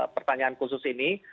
pertanyaan khusus ini